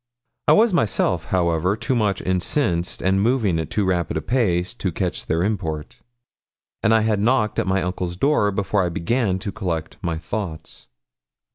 I was myself, however, too much incensed, and moving at too rapid a pace, to catch their import; and I had knocked at my uncle's door before I began to collect my thoughts.